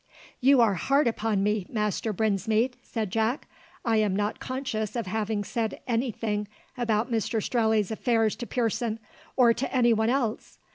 "You are hard upon me, Master Brinsmead!" said Jack. "I am not conscious of having said any thing about Mr Strelley's affairs to Pearson, or to any one else.